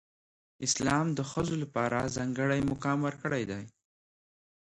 اسلام د ښځو لپاره ځانګړی مقام ورکړی دی.